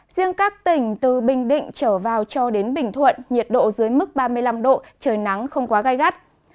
riêng các tỉnh từ bình định trở vào cho đến bình thuận nhiệt độ dưới mức ba mươi năm độ trời nắng không quá gai gắt